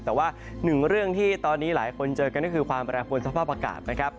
แต่ว่าหนึ่งเรื่องที่ตอนนี้หลายคนเจอกันก็คือความแปรปวนสภาพอากาศนะครับ